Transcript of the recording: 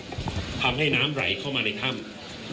คุณผู้ชมไปฟังผู้ว่ารัฐกาลจังหวัดเชียงรายแถลงตอนนี้ค่ะ